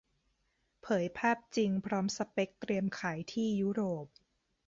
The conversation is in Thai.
เผยภาพจริงพร้อมสเปกเตรียมขายที่ยุโรป